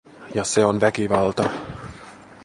ja se on väkivalta.